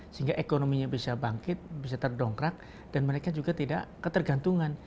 sehingga ekonominya bisa bangkit bisa terdongkrak dan mereka juga tidak ketergantungan